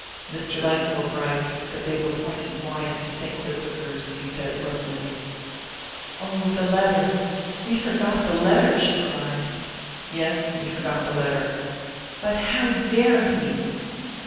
"Mr. Langhope writes that they've appointed Wyant to Saint Christopher's," he said abruptly. "Oh, the letter we forgot the letter!" she cried. "Yes we forgot the letter." "But how dare he